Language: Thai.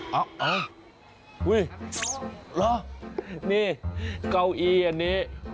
ไม่ได้ให้ล่ะอ้าวอุ๊ยหรอนี่เก้าอี้อันนี้